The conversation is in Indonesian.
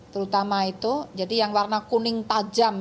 terutama itu jadi yang warna kuning tajam